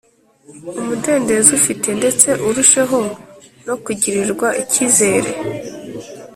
Umudendezo ufite ndetse urusheho no kugirirwa icyizere